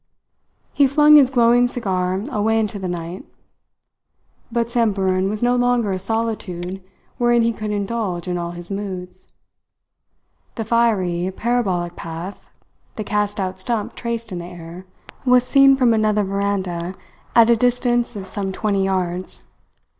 He flung his glowing cigar away into the night. But Samburan was no longer a solitude wherein he could indulge in all his moods. The fiery parabolic path the cast out stump traced in the air was seen from another veranda at a distance of some twenty yards.